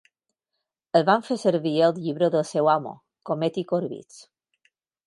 Es van fer servir al llibre del seu amo "Cometic Orbits".